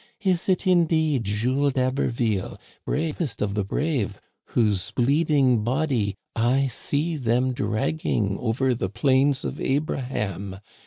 Is it, indeed, Jules d'Haberville, bravest of the brave, whose bleeding body I see them dragging over the Plains of Abraham